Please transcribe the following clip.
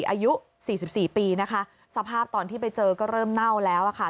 อายุ๔๔ปีนะคะสภาพตอนที่ไปเจอก็เริ่มเน่าแล้วค่ะ